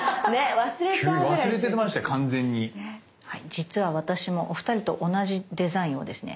実は私もお二人と同じデザインをですね